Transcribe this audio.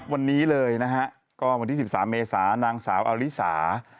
วันนี้เลยนะฮะก็วันที่๑๓เมษานางสาวอลิสา